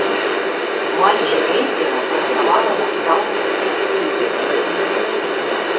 Маці рэпера працавала настаўніцай флейты.